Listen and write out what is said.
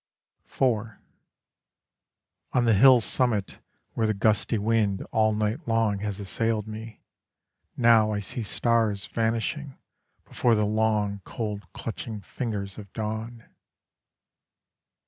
IV On the hill summit Where the gusty wind all night long has assailed me, Now I see stars vanishing Before the long cold clutching fingers of dawn.